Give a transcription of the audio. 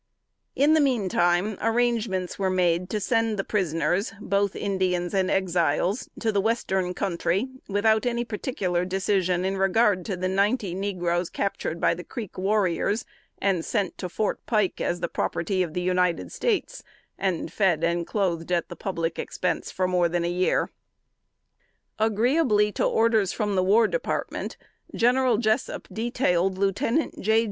In the meantime, arrangements were made to send the prisoners, both Indians and Exiles, to the Western Country, without any particular decision in regard to the ninety negroes captured by the Creek warriors, and sent to Fort Pike as the property of the United States, and fed and clothed at the public expense for more than a year. Agreeably to orders from the War Department, General Jessup detailed Lieutenant J.